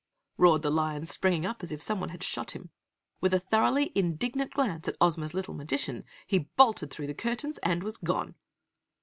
roared the Lion, springing up as if someone had shot him. With a thoroughly indignant glance at Ozma's little magician, he bolted through the curtains and was gone.